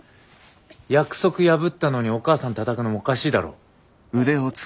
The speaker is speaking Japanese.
約束破ったのにお母さんたたくのおかしいだろ？